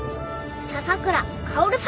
笹倉薫さん。